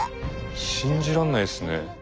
信じらんないっすね。